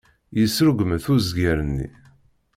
Yesrugmet uzger-nni.